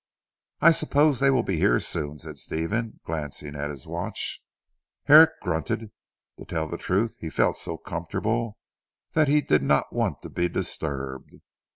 "I suppose they will be here soon," said Stephen glancing at his watch. Herrick grunted. Truth to tell he felt so comfortable that he did not want to be disturbed.